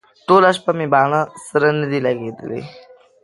ټوله شپه مې باڼه سره نه دي لګېدلي.